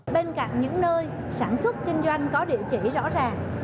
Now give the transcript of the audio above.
bên cạnh những nơi sản xuất kinh doanh có địa chỉ rõ ràng